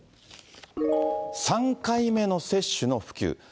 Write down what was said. ３回目の接種の普及。